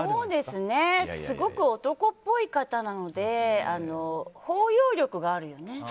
すごく男っぽい方なので包容力があるよね。